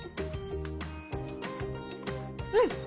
うん！